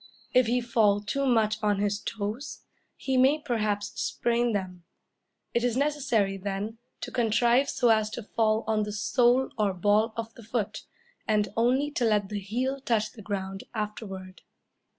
If he fall too much on his toes, he may, perhaps, sprain them. It is necessary, then, to contrive so as to fall on the sole or ball of the foot, and only to let the heel touch the ground afterward.